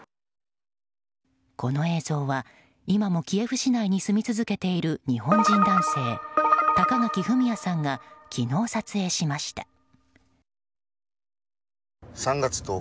この映像は今もキエフ市内に住み続けている日本人男性、高垣典哉さんが昨日撮影しました。